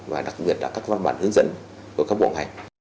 và đặc biệt là các văn bản hướng dẫn của các bộ ngành